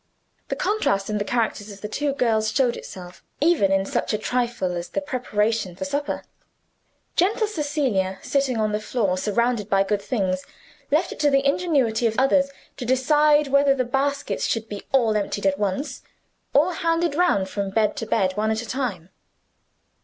The contrast in the characters of the two girls showed itself, even in such a trifle as the preparations for supper. Gentle Cecilia, sitting on the floor surrounded by good things, left it to the ingenuity of others to decide whether the baskets should be all emptied at once, or handed round from bed to bed, one at a time.